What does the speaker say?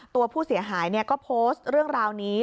ตัวผู้เสียหายก็โพสต์เรื่องราวนี้